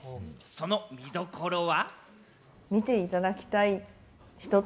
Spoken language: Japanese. その見どころは。